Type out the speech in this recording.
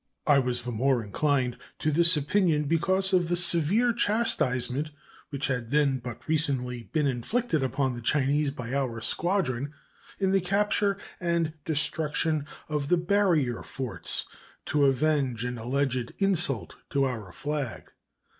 I was the more inclined to this opinion because of the severe chastisement which had then but recently been inflicted upon the Chinese by our squadron in the capture and destruction of the Barrier forts to avenge an alleged insult to our flag.